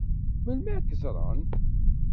Melmi ad k-ẓṛen?